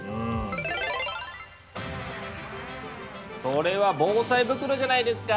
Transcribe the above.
それは防災袋じゃないですか！